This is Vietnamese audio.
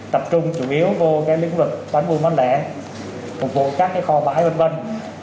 tập trung chủ yếu vô cái lĩnh vực bánh buôn bánh lẻ phục vụ các cái kho bãi vân vân